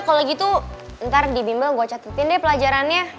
kalau gitu ntar di pimple gue catetin deh pelajarannya